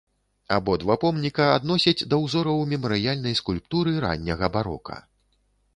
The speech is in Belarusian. Абодва помніка адносяць да ўзораў мемарыяльнай скульптуры ранняга барока.